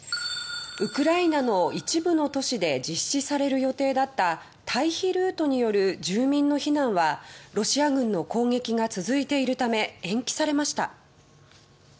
ウクライナの一部の都市で実施される予定だった退避ルートによる住民の避難はロシア軍の攻撃が続いているため延期されました。